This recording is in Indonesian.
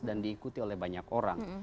dan diikuti oleh banyak orang